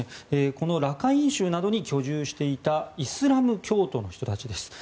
このラカイン州などに居住していたイスラム教徒の人たちです。